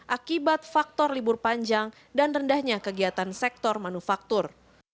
akibat faktor libur panjang dan rendahnya kegiatan sektor manufaktur